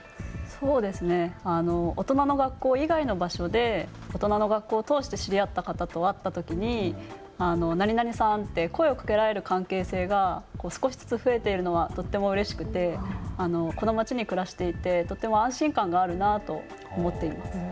そうですね、大人の学校以外の場所で大人の学校を通して知り合った方と会ったときに何々さんって声をかけられる関係性が少しずつ増えているのはとってもうれしくてこの町に暮らしていてとっても安心感があるなと思っています。